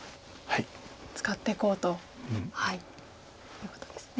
使っていこうということですね。